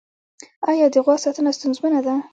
آیا د غوا ساتنه ستونزمنه ده؟